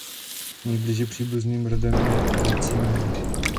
Nejblíže příbuzným rodem je "Vaccinium".